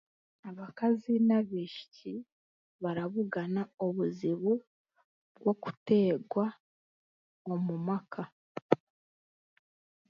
Abakazi n'abaishiki, barabugana obuzibu bw'okuteegwa omu maka.